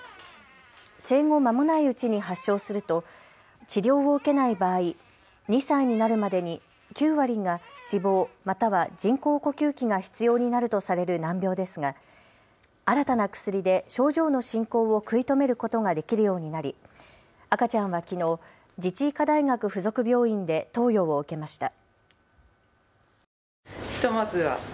生後まもないうちに発症すると治療を受けない場合、２歳になるまでに９割が死亡、または人工呼吸器が必要になるとされる難病ですが新たな薬で症状の進行を食い止めることができるようになり赤ちゃんはきのう自治医科大学附属病院で投与を受けました。